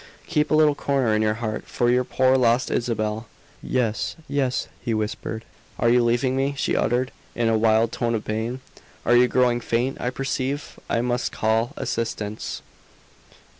Keep a little corner in your heart for your poor lost Isabel." "Yes, yes," he whispered. "Are you leaving me?" she uttered, in a wild tone of pain. "You are growing faint, I perceive, I must call assistance."